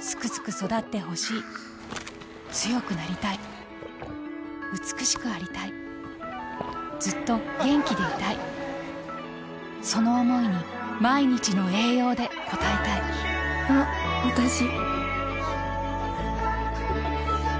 スクスク育ってほしい強くなりたい美しくありたいずっと元気でいたいその想いに毎日の栄養で応えたいあっわたし。